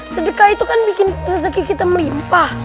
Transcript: sedekah itu kan bikin rezeki kita melimpah